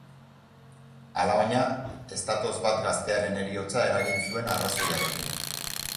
Alabaina, ez datoz bat gaztearen heriotza eragin zuen arrazoiarekin.